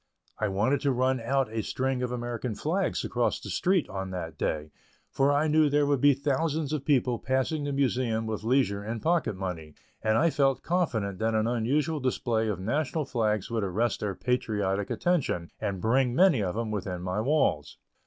I wanted to run out a string of American flags across the street on that day, for I knew there would be thousands of people passing the Museum with leisure and pocket money, and I felt confident that an unusual display of national flags would arrest their patriotic attention, and bring many of them within my walls.